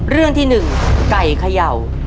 เรื่องที่๑ไก่เขย่า